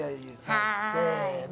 せの。